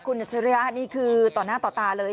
คุณอัจฉริยะนี่คือต่อหน้าต่อตาเลย